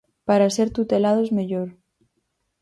Para ser tutelados mellor.